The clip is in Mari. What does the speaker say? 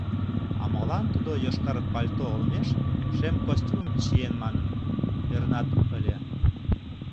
А молан тудо йошкар пальто олмеш шем костюмым чиен манын, ӧрынат ыле.